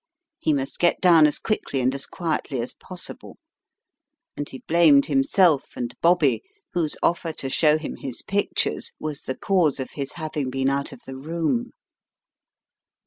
He must get down as quickly and as quietly as possible, and he blamed himself and Bobby, whose offer to show him his pictures was the cause of his having been out of the room.